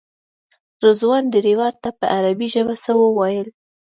رضوان ډریور ته په عربي ژبه څه وویل.